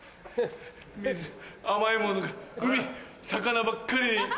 甘いものが魚ばっかりいる所で。